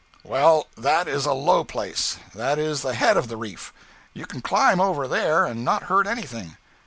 'Well, that is a low place; that is the head of the reef. You can climb over there, and not hurt anything.